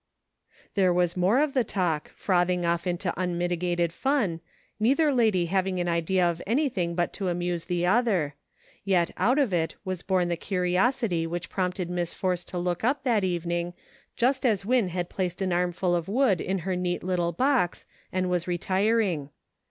There was more of the talk, frothing off into unmitigated fun, neither lady having an idea of anything but to amuse the other ; yet out of it was born the curiosity which prompted Miss Force to look up that evening just as Win had placed an armful of wood in her neat little box, and was retiring.